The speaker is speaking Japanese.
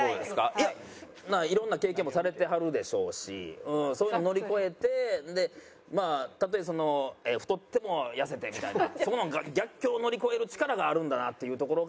いやいろんな経験もされてはるでしょうしそういうのを乗り越えてまあたとえ太っても痩せてみたいなそこの逆境を乗り越える力があるんだなっていうところが。